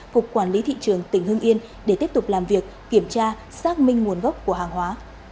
cục quản lý thị trường tỉnh hưng yên để tiếp tục làm việc kiểm tra xác minh nguồn gốc của hàng hóa